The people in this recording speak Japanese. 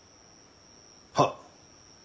はっ！